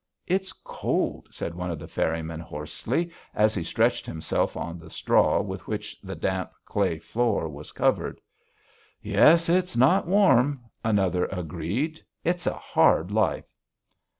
"It's cold," said one of the ferrymen hoarsely, as he stretched himself on the straw with which the damp, clay floor was covered. "Yes. It's not warm," another agreed.... "It's a hard life."